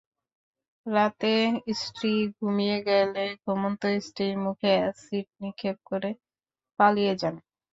রাতে স্ত্রী ঘুমিয়ে গেলে ঘুমন্ত স্ত্রীর মুখে অ্যাসিড নিক্ষেপ করে পালিয়ে যান।